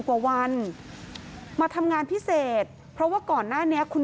พ่อแม่มาเห็นสภาพศพของลูกร้องไห้กันครับขาดใจ